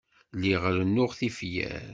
Lliɣ rennuɣ tifyar.